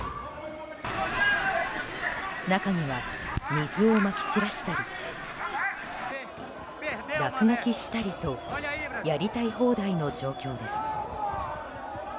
中には水をまき散らしたり落書きしたりとやりたい放題の状況です。